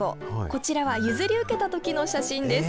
こちらは譲り受けたときの写真です。